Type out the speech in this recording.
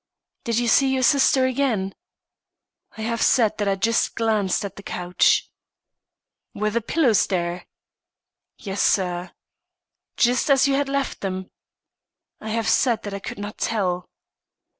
"Did you see your sister again?" "I have said that I just glanced at the couch." "Were the pillows there?" "Yes, sir." "Just as you had left them?" "I have said that I could not tell."